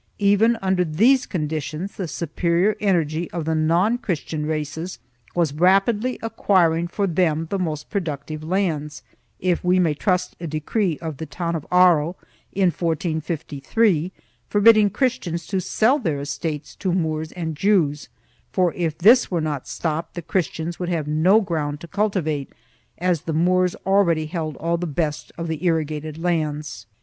Even under these conditions the superior energy of the non Christian races was rapidly acquiring for them the most pro ductive lands, if we may trust a decree of the town of Haro, in 1453, forbidding Christians to sell their estates to Moors and Jews, for if this were not stopped the Christians would have no ground to cultivate, as the Moors already held all the best of the irrigated lands.